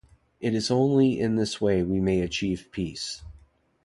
It is only in this way may we achieve peace.